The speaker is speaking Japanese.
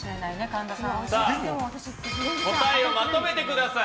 では、答えをまとめてください。